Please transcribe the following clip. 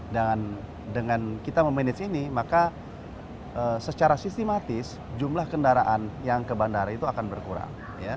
dan dengan kita manage ini maka secara sistematis jumlah kendaraan yang ke bandara itu akan berkurang